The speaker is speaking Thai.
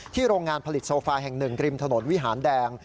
โรงงานผลิตโซฟาแห่งหนึ่งริมถนนวิหารแดง